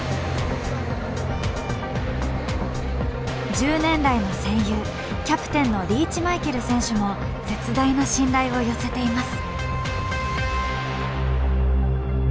１０年来の戦友キャプテンのリーチ・マイケル選手も絶大な信頼を寄せています。